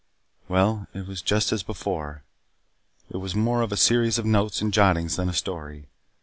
Well, it was just as before. It was more of a series of notes and jottings than a story.